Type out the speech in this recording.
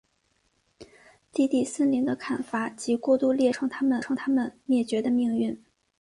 低地森林的砍伐及过度猎杀造成它们灭绝的命运。